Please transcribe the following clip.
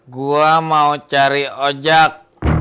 gue mau cari ojak